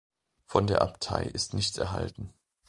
Von der Abtei ist nichts erhalten.